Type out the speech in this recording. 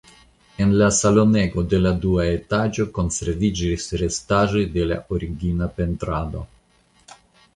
En la salonego de la dua etaĝo konserviĝis restaĵoj de la origina pentrado.